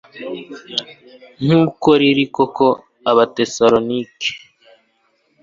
nk uko riri koko abatesalonike